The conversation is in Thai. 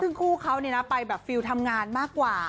ซึ่งคู่เค้าเนี่ยไปแบบว่าฟิลด์ทำงานมากกว่า